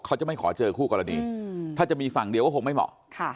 เขาจะไม่ขอเจอคู่กรณีถ้าจะมีฝั่งเดียวก็คงไม่เหมาะ